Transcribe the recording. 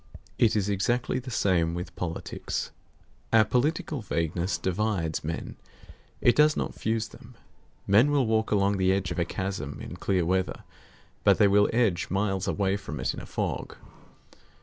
It is exactly the same with politics. Our political vagueness divides men, it does not fuse them. Men will walk along the edge of a chasm in clear weather, but they will edge miles away from it in a fog.